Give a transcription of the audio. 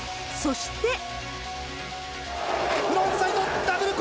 そして。